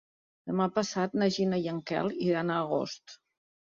Demà passat na Gina i en Quel iran a Agost.